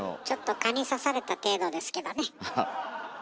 ちょっと蚊にさされた程度ですけどね。